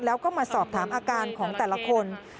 แล้วก็มาสอบถามอาการของแต่ละคน